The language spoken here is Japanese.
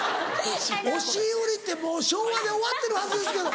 押し売りってもう昭和で終わってるはずですけど。